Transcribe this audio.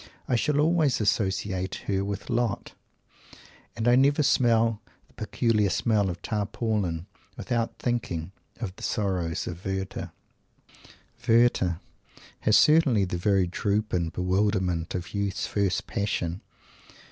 I shall always associate her with Lotte; and I never smell the peculiar smell of Tarpaulin without thinking of "the Sorrows of Werter." "Werter" has certainly the very droop and bewilderment of youth's first passion.